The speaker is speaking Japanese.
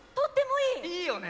いいよね！